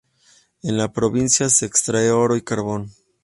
En la provincia se extrae oro y carbón.